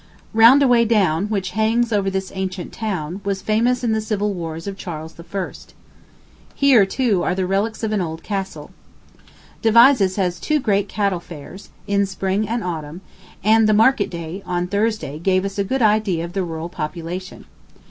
Roundaway Down, which hangs over this ancient town, was famous in the civil wars of Charles I. Here, too, are the relics of an old castle. Devizes has two great cattle fairs, in spring and autumn; and the market day, on Thursday, gave us a good idea of the rural population.